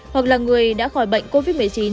hoặc là người đã khỏi bệnh covid một mươi chín